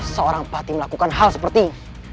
seorang pati melakukan hal seperti ini